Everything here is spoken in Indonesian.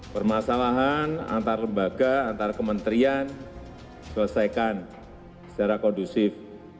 permasalahan antar lembaga antar kementerian selesaikan secara kondusif